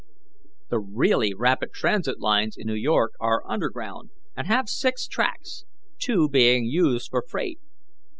"The really rapid transit lines in New York are underground, and have six tracks, two being used for freight.